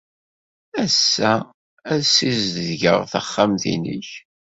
Ass-a, ad ssizedgeɣ taxxamt-nnek.